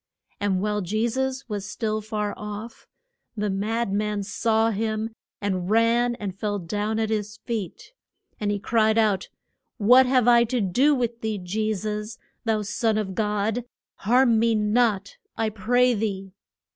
And while Je sus was still far off, the mad man saw him and ran and fell down at his feet. And he cried out, What have I to do with thee, Je sus, thou Son of God? Harm me not, I pray thee.